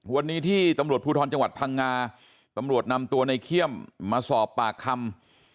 วันนี้ที่ตำรวจภูทรจังหวัดพังงาตำรวจนำตัวในเขี้ยมมาสอบปากคำ